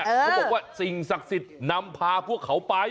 เขาบอกว่าสิ่งศักดิ์สิทธิ์นำพาพวกเขาไป